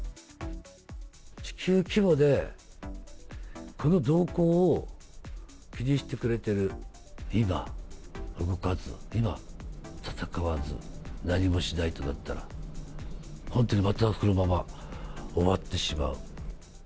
地球規模で、この動向を気にしてくれてる、今動かず、今戦わず、何もしないとなったら、本当にまたこのまま終わってしまう。